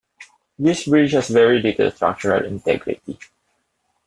This bridge has very little structural integrity.